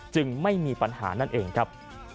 ไม่มีปัญหานั่นเองครับ